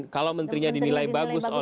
kalau menterinya dinilai bagus